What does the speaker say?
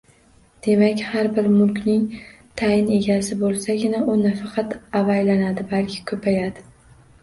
Demak, har bir mulkning tayinli egasi bo‘lsagina u nafaqat avaylanadi, balki – ko‘payadi.